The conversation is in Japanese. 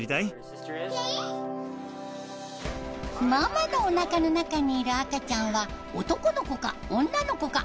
ママのおなかの中にいる赤ちゃんは男の子か女の子か。